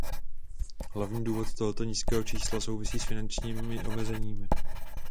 Hlavní důvod tohoto nízkého čísla souvisí s finančními omezeními.